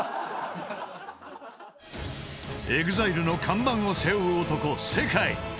［ＥＸＩＬＥの看板を背負う男世界］